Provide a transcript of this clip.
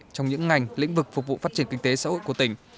trong những ngành lĩnh vực phục vụ phát triển kinh tế xã hội của tỉnh